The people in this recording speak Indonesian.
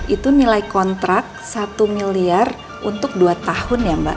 itu nilai kontrak satu miliar untuk dua tahun ya mbak